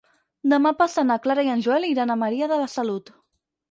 Demà passat na Clara i en Joel iran a Maria de la Salut.